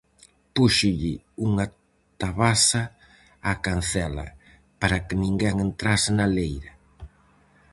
Púxolle unha tabasa á cancela para que ninguén entrase na leira.